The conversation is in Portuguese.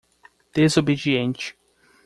Desobediente